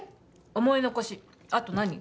思い残しあと何？